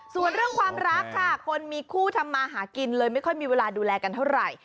ส่วนเรื่องความรักค่ะคนมีคู่ทำมาหากินเลยไม่ค่อยมีเวลาดูแลกันเท่าไหร่